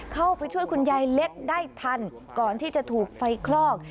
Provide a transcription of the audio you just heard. เข้าไปช่วยคุณยายเล็กได้ทันก่อนที่จะถูกไฟคลอก